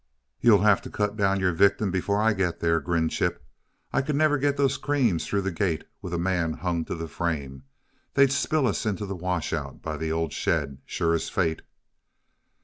"You'll have to cut down your victim before I get there," grinned Chip. "I never could get the creams through the gate, with a man hung to the frame; they'd spill us into the washout by the old shed, sure as fate."